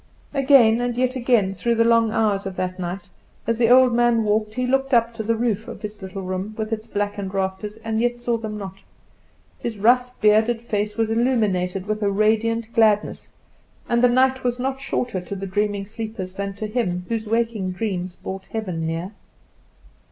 Again, and yet again, through the long hours of that night, as the old man walked he looked up to the roof of his little room, with its blackened rafters, and yet saw them not. His rough bearded face was illuminated with a radiant gladness; and the night was not shorter to the dreaming sleepers than to him whose waking dreams brought heaven near.